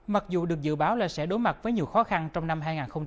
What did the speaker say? mặc dù được dự báo là sẽ đối mặt với nhiều khó khăn trong năm hai nghìn hai mươi